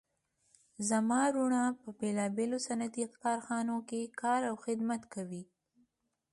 زما وروڼه په بیلابیلو صنعتي کارخانو کې کار او خدمت کوي